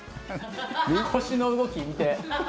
腰の動き見て。